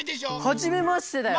はじめましてだよ！